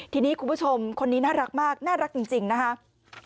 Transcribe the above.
ทีนี้คุณผู้ชมคนนี้น่ารักมากน่ารักจริงนะครับ